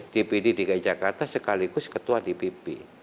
dpd dki jakarta sekaligus ketua dpp